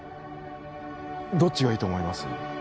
どっちがいいと思います？